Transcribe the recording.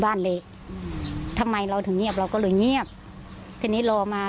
เละอืมทำไมเราถึงเงียบเราก็เลยเงียบทีนี้รอมา